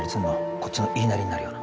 こっちの言いなりになるような。